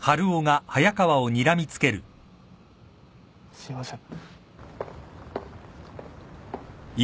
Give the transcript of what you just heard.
すいません。